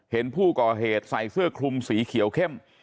เห็นผู้ก่อเหตุใส่เสื้อคลุมสีเขียวเข้ม